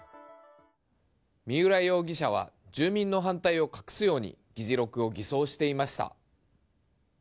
三浦容疑者は住民の反対を隠すように議事録を偽装していました。